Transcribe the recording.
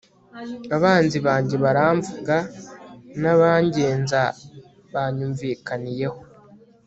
abanzi banjye baramvuga, n'abangenza banyumvikaniyeho